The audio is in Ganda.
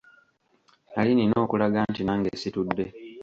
Nali nnina okulaga nti nange situdde.